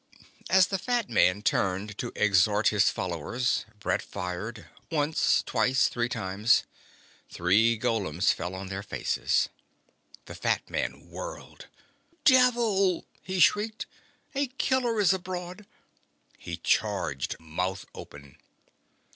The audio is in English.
As the fat man turned to exhort his followers Brett fired, once twice, three times. Three golems fell on their faces. The fat man whirled. "Devil!" he shrieked. "A killer is abroad!" He charged, mouth open.